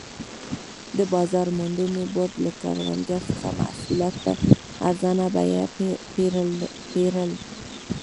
د بازار موندنې بورډ له کروندګرو څخه محصولات په ارزانه بیه پېرل.